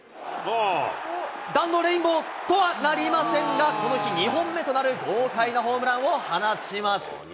弾道レインボーとはなりませんが、この日、２本目となる豪快なホームランを放ちます。